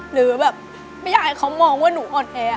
หรือแบบไม่อยากให้เขามองว่าหนูอ่อนแอ